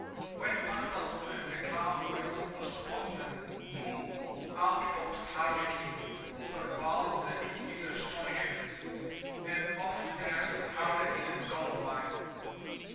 When Pantaloon and the Clown were almost upon them, booh! out popped Harlequin, over bowled the two in astonish ment, and off danced Harlequin and Columbine.